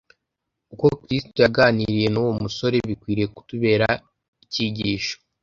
Uko Kristo yaganiriye n'uwo musore bikwiriye kutubera icyigisho.